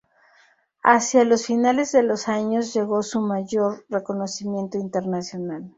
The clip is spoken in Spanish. Hacia los finales de los años llegó su mayor reconocimiento internacional.